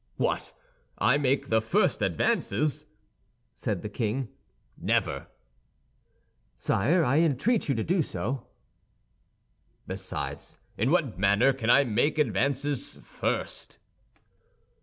"What! I make the first advances?" said the king. "Never!" "Sire, I entreat you to do so." "Besides, in what manner can I make advances first?"